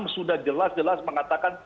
sudah jelas jelas mengatakan